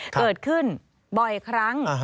เกิดขึ้นบ่อยครั้ง